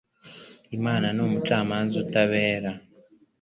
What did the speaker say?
Imana ni umucamanza utabera